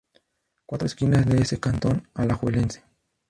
Cuatro Esquinas de ese cantón alajuelense.